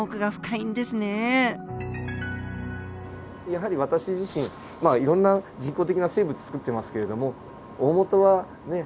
やはり私自身まあいろんな人工的な生物つくってますけれどもおおもとはねえ